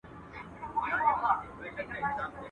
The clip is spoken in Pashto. بې ډوله ډنگېدلی، بې سرنا رخسېدلی.